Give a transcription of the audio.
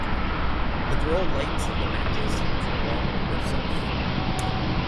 The girl lights the matches to warm herself.